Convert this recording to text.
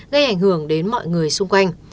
gây ảnh hưởng đến mọi người xung quanh